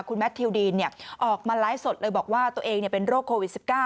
คุณแมททิวดีนออกมาไลฟ์สดเลยบอกว่าตัวเองเป็นโรคโควิด๑๙